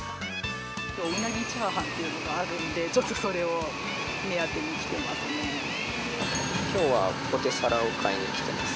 うなぎチャーハンっていうのがあるんで、ちょっとそれを目当きょうはポテサラを買いに来てます。